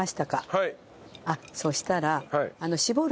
はい。